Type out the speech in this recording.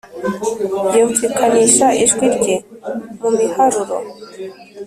yumvikanisha ijwi rye mu miharuro,